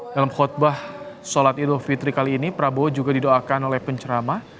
dalam khutbah sholat idul fitri kali ini prabowo juga didoakan oleh pencerama